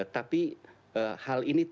tapi hal ini tidak kuncinya